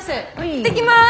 行ってきます。